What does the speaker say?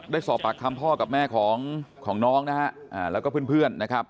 ได้สอบปากคำพ่อกับแม่ของน้องนะฮะแล้วก็เพื่อนนะครับ